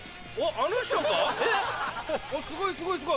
すごいすごいすごい。